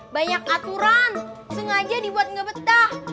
banyak aturan sengaja dibuat nggak betah